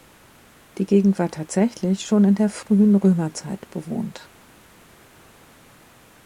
Die Gegend war tatsächlich schon in der frühen Römerzeit bewohnt.